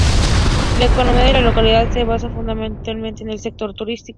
La economía de la localidad se basa fundamentalmente en el sector turístico.